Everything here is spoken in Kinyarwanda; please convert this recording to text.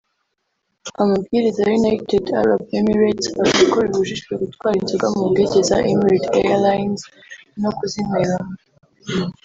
Amabwiriza ya United Arab Emirates avuga ko bibujijwe gutwara inzoga mu ndege za Emirates Ailines no kuzinyweramo